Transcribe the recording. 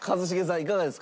いかがですか？